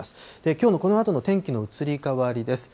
きょうのこのあとの天気の移り変わりです。